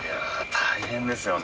大変ですよね